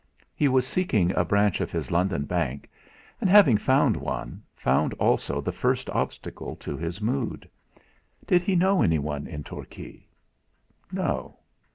He was seeking a branch of his London bank, and having found one, found also the first obstacle to his mood. Did he know anyone in Torquay? No.